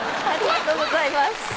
ありがとうございます。